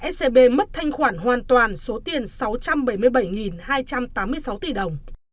scb mất thanh khoản hoàn toàn số tiền sáu trăm bảy mươi bảy hai trăm tám mươi sáu tỷ đồng